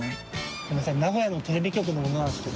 すいません名古屋のテレビ局の者なんですけど。